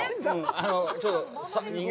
あのちょっと。